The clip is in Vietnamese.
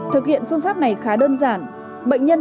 thực hiện phương pháp này khá đơn giản